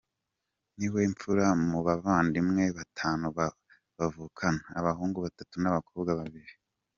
Niwe mfura mu bavandimwe batanu bavukana; abahungu batatu n’abakobwa babiri.